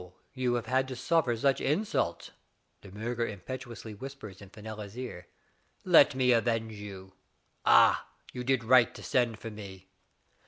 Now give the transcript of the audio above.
"So you have to suffer such insults," De Murger impetuously whispers in Fenella's ear. "Let me avenge you. Ah ! you did right to send for me."